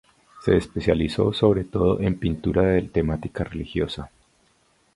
Se especializó, sobre todo, en pintura de temática religiosa.